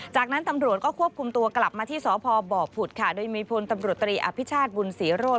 จากนั้นตำรวจก็ควบคุมตัวกลับมาที่สพบผุดค่ะโดยมีพลตำรวจตรีอภิชาติบุญศรีโรธ